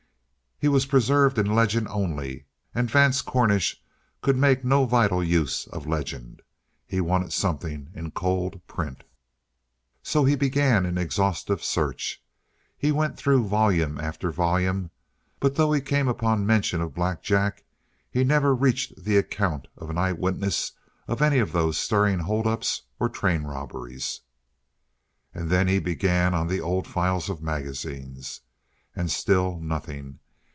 He was preserved in legend only, and Vance Cornish could make no vital use of legend. He wanted something in cold print. So he began an exhaustive search. He went through volume after volume, but though he came upon mention of Black Jack, he never reached the account of an eyewitness of any of those stirring holdups or train robberies. And then he began on the old files of magazines. And still nothing.